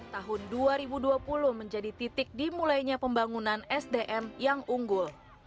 tahun dua ribu dua puluh menjadi titik dimulainya pembangunan sdm yang unggul